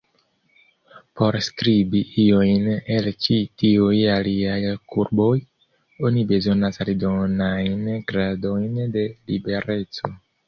Por priskribi iujn el ĉi tiuj aliaj kurboj, oni bezonas aldonajn gradojn de libereco.